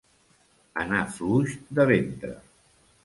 Anar fluix de ventre.